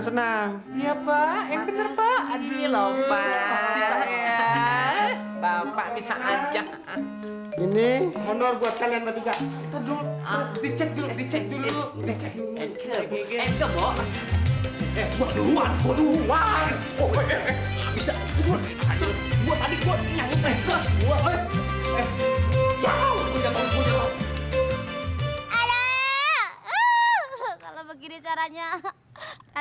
sampai jumpa di video selanjutnya